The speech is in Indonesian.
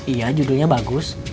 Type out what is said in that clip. iya judulnya bagus